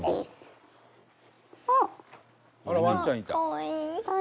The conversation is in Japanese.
「あらワンちゃんいた」